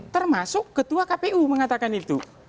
termasuk ketua kpu mengatakan itu